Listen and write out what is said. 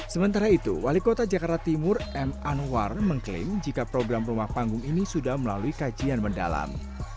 sementara itu wali kota jakarta timur m anwar mengklaim jika program rumah panggung ini sudah melalui kajian mendalam